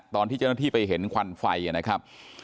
ตอนที่เจ้าหน้าที่ไปเห็นควันไฟนะครับ